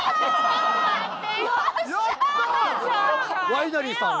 「ワイナリーさん」